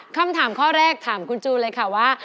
คำถามข้อแรกถามคุณจูนเลยค่ะว่า